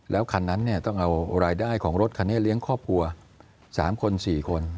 แล้วคันนั้นต้องเอารายได้ของรถคันนี้เลี้ยงครอบครัว๓คน๔คน